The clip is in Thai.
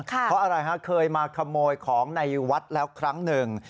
เพราะอะไรฮะเคยมาขโมยของในวัดแล้วครั้งหนึ่ง